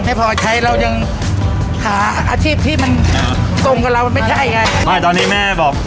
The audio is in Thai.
ไม่พอใช้เรายังหาอาชีพที่มันตรงกับเรามันไม่ใช่ไงไม่ตอนนี้แม่บอก